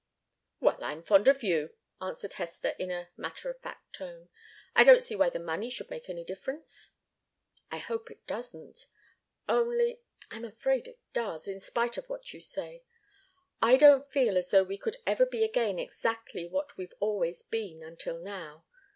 "Well I'm fond of you," answered Hester, in a matter of fact tone. "I don't see why the money should make any difference." "I hope it doesn't. Only I'm afraid it does, in spite of what you say. I don't feel as though we could ever be again exactly what we've always been until now.